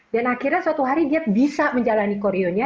dan akhirnya suatu hari dia bisa menjalani koreonya